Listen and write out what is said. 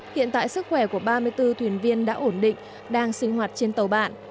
hiện tại sức khỏe của ba mươi bốn thuyền viên đã ổn định đang sinh hoạt trên tàu bạn